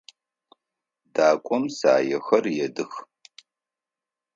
Дакӏом саехэр едых.